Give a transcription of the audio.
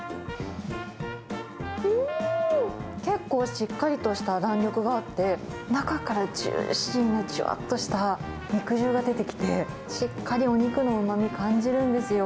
結構しっかりとした弾力があって、中からジューシーな、じゅわっとした肉汁が出てきて、しっかりお肉のうまみ感じるんですよ。